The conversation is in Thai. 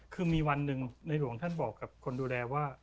คือมีวันหนึ่งในหลวงท่านบอกกับคนดูแลว่า